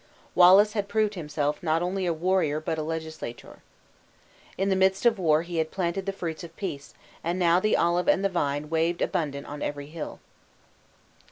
Wallace had proved himself not only a warrior but a legislator. In the midst of war he had planted the fruits of peace, and now the olive and the vine waved abundant on every hill.